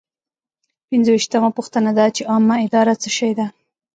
پنځویشتمه پوښتنه دا ده چې عامه اداره څه شی ده.